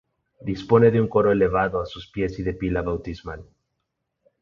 Dispone de un coro elevado a sus pies y de pila bautismal.